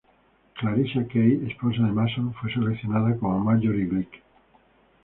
Clarissa Kaye, esposa de Mason, fue seleccionada como Marjorie Glick.